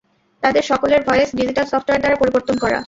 তাদের সকলের voice digital software দ্বারা পরিবর্তন করা।